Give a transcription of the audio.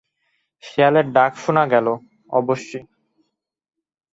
শেয়ালের ডাক শোনা গেল অবশ্যি।